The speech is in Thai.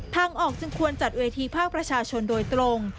ทางออกจึงควรจัดเวทีภาคประชาชนโดยตรง